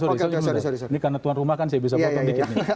ini karena tuan rumah kan saya bisa bawa